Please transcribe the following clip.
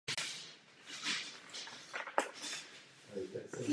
Deset let vedl symfonický orchestr pražské konzervatoře a má bohatou praxi i jako sbormistr.